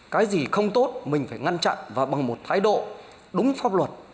cái gì không tốt mình phải ngăn chặn và bằng một thái độ đúng pháp luật